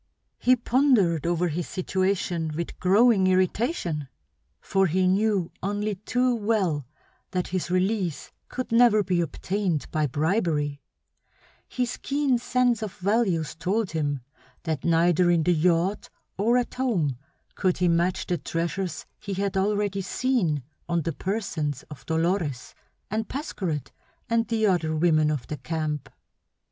He pondered over his situation with growing irritation; for he knew only too well that his release could never be obtained by bribery; his keen sense of values told him that neither in the yacht or at home could he match the treasures he had already seen on the persons of Dolores, and Pascherette, and the other women of the camp.